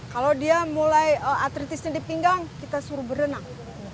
kalau dia mulai artritisnya di pinggang kita suruh berenang